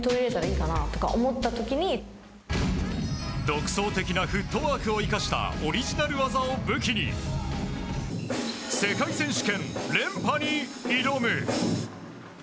独創的なフットワークを生かしたオリジナル技を武器に世界選手権連覇に挑む。